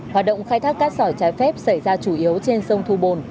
hoạt động khai thác cát sỏi trái phép xảy ra chủ yếu trên sông thu bồn